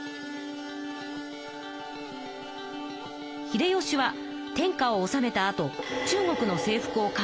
秀吉は天下をおさめたあと中国の征服を考え